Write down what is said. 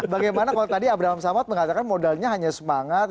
bagaimana kalau tadi abraham samad mengatakan modalnya hanya semangat